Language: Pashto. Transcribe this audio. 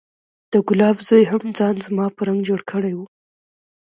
د ګلاب زوى هم ځان زما په رنګ جوړ کړى و.